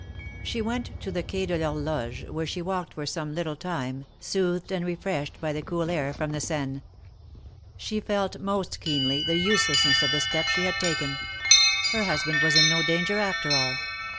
She went to the Quai de V Horloge, where she walked for some little time, soothed and refreshed by the cool air from the Seine. She felt most keenly the uselessness of the step she had taken ; her husband was in no danger after all.